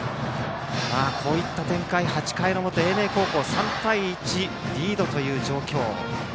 こういった展開、８回の表英明高校が３対１でリードという状況。